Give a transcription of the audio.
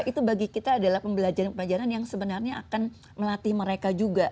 itu bagi kita adalah pembelajaran pelajaran yang sebenarnya akan melatih mereka juga